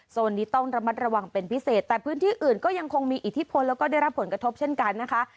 นี้ต้องระมัดระวังเป็นพิเศษแต่พื้นที่อื่นก็ยังคงมีอิทธิพลแล้วก็ได้รับผลกระทบเช่นกันนะคะ